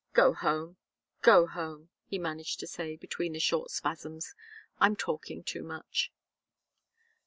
"Go home go home," he managed to say, between the short spasms. "I'm talking too much."